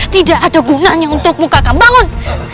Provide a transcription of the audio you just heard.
tidak ada gunanya untuk muka kau bangun